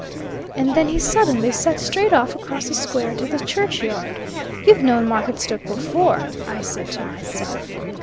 And then he suddenly set straight off across the square to the churchyard. 'You've known Marketstoke before,' I said to myself."